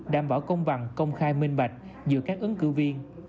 đảm bảo công bằng công khai minh bạch giữa các ứng cử viên